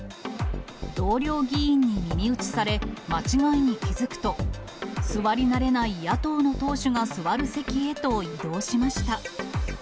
同僚議員に耳打ちされ、間違いに気付くと、座り慣れない野党の党首が座る席へと移動しました。